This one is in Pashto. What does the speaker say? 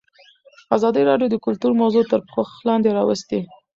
ازادي راډیو د کلتور موضوع تر پوښښ لاندې راوستې.